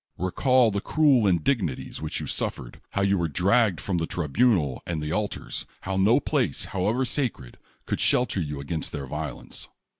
Recall the cruel indignities which you suffered; how you vrere dragged from the tribunal and the altars; how no place, hoAvever sacred, could shelter you against their violence.